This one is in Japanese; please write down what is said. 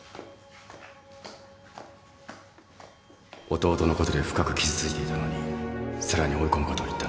弟のことで深く傷ついていたのにさらに追い込むことを言ったんです